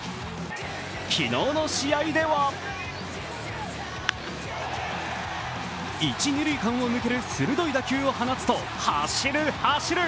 昨日の試合では一・二塁間を抜ける鋭い打球を放つと、走る、走る！